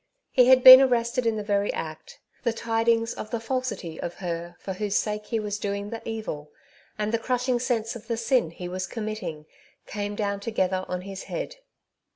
He had been arrested in the Saved as by Fire, 225 very act. The tidings of the falsity of her for whose sake he was doing the evil^ and the crushing sense of the sin he was committing, came down together on his head.